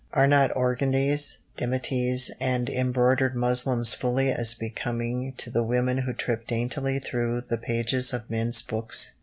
Are not organdies, dimities, and embroidered muslins fully as becoming to the women who trip daintily through the pages of men's books?